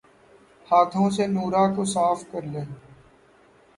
ہاتھوں سے نورہ کو صاف کرلیں